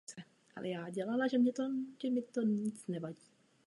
Zaměření reformních gymnázií jim ale bránilo studovat technické obory.